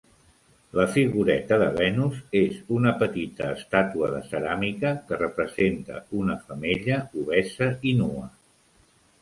La figureta de Venus és una petita estàtua de ceràmica que representa una femella obesa i nua.